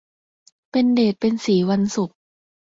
เป็นเดชเป็นศรีวันศุกร์